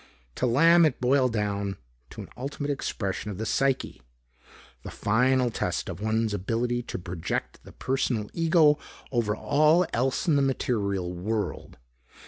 To Lamb, it boiled down to an ultimate expression of the psyche. The final test of one's ability to project the personal ego over all else in the material world.